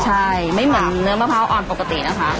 ใช่ไม่เหมือนเนื้อมะพร้าวอ่อนปกตินะคะ